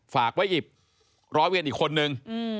ฝากไว้หยิบร้อยเวรอีกคนนึง